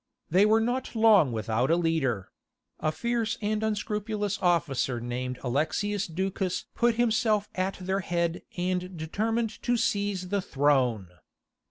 They were not long without a leader; a fierce and unscrupulous officer named Alexius Ducas put himself at their head and determined to seize the throne.